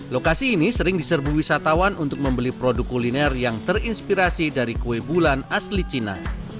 lokasi ini sering diserbu wisatawan untuk membeli produk kuliner yang terinspirasi dari kue bulan asli cina